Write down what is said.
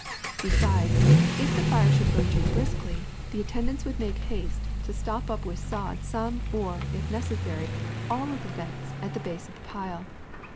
Besides, if the fire should burn too briskly the attend ants would make haste to stop up with sod some or, if necessary, all of the vents at the base of the pile.